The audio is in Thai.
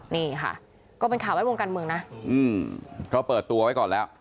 นี่ค่ะก็เป็นข่าวแวดวงการเมืองนะก็เปิดตัวไว้ก่อนแล้ว